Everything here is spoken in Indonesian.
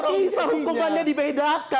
kok bisa hukumannya dibedakan gitu loh